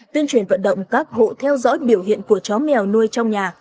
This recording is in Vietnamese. tuyên truyền vận động các hộ theo dõi biểu hiện của chó mèo nuôi trong nhà